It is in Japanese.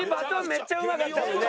めっちゃうまかったよね。